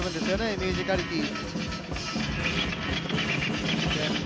ミュージカリティー。